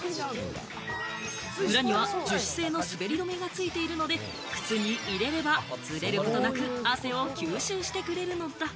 裏には樹脂製の滑り止めが付いているので、靴に入れればずれることなく、汗を吸収してくれるのだ。